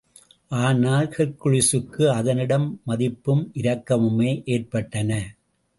ஆனால், ஹெர்க்குலிஸுக்கு அதனிடம் மதிப்பும், இரக்கமுமே ஏற்பட்டன.